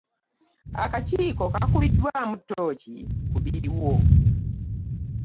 Akakiiko kakubiddwaamu ttooki ku biriwo.